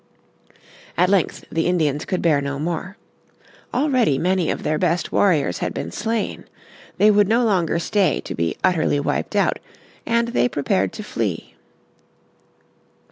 At length the Indians could bear no more. Already many of their best warriors had been slain. They would no longer stay to be utterly wiped out, and they prepared to flee.